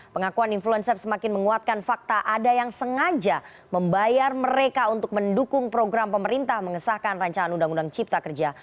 pengakuan influencer semakin menguatkan fakta ada yang sengaja membayar mereka untuk mendukung program pemerintah mengesahkan rancangan undang undang cipta kerja